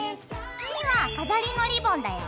次は飾りのリボンだよ。